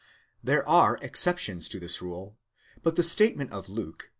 'There are exceptions to this rule; but the statement of Luke (i.